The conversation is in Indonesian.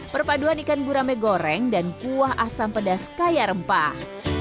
perpaduan ikan gurame goreng dan kuah asam pedas kaya rempah